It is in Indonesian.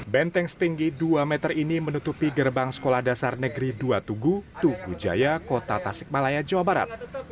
benteng setinggi dua meter ini menutupi gerbang sekolah dasar negeri dua tugu tugu jaya kota tasik malaya jawa barat